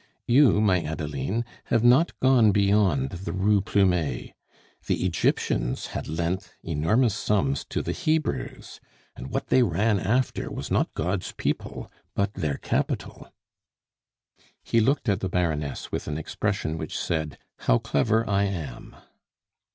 "You, my Adeline, have not gone beyond the Rue Plumet. The Egyptians had lent enormous sums to the Hebrews, and what they ran after was not God's people, but their capital." He looked at the Baroness with an expression which said, "How clever I am!"